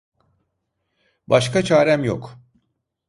Başka çarem yok.